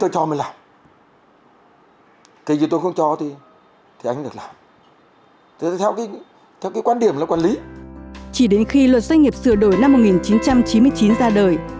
chỉ đến khi luật doanh nghiệp sửa đổi năm một nghìn chín trăm chín mươi chín ra đời